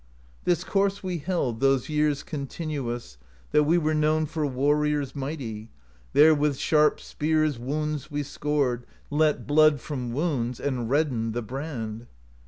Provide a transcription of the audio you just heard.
'This course we held Those years continuous, That we were known For warriors mighty; There with sharp spears Wounds we scored. Let blood from wounds. And reddened the brand.